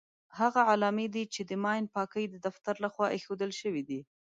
هغه علامې دي چې د ماین پاکۍ د دفتر لخوا ايښودل شوې دي.